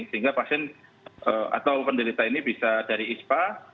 sehingga pasien atau penderita ini bisa dari ispa